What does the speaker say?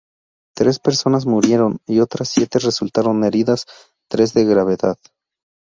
Tres personas murieron y otras siete resultaron heridas, tres de gravedad.